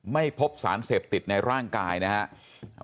ไม่พบสารเสพติดในร่างกายนะครับ